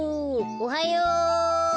おはよう。